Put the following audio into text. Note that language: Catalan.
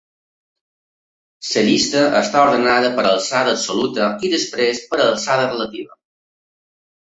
La llista està ordenada per alçada absoluta i després per alçada relativa.